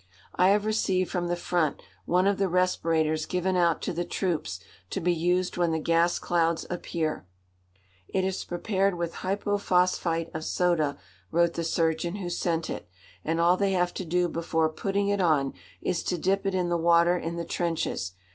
I have received from the front one of the respirators given out to the troops to be used when the gas clouds appear. "It is prepared with hypophosphite of soda," wrote the surgeon who sent it, "and all they have to do before putting it on is to dip it in the water in the trenches.